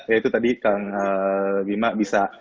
ya itu tadi kang bima bisa